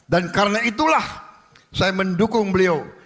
dan karena itulah saya mendukung beliau